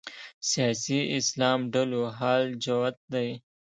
سیاسي اسلام ډلو حال جوت دی